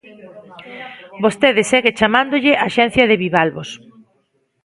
Vostede segue chamándolle Axencia de bivalvos.